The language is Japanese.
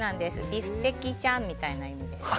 ビフテキちゃんみたいな意味です。